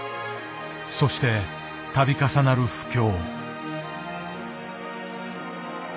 そしてたび重なる不況。